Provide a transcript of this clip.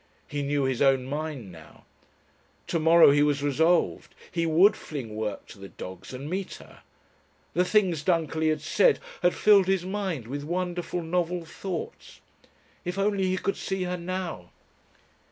He knew his own mind now. To morrow he was resolved he would fling work to the dogs and meet her. The things Dunkerley had said had filled his mind with wonderful novel thoughts. If only he could see her now!